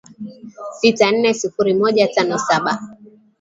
sita nne sifuri moja tano saba